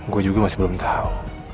gue juga masih belum tahu